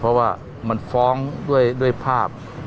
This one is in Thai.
เพราะว่ามันฟ้องด้วยภาพ